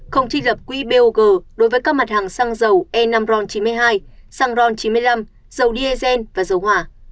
không chỉ gặp quỹ bog đối với các mặt hàng xăng dầu e năm ron chín mươi hai xăng ron chín mươi năm dầu diesel và dầu hỏa